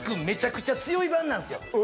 めちゃくちゃ強い版なんですよ